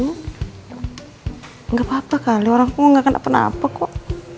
gak apa apa kali orang aku gak kena apa apa kok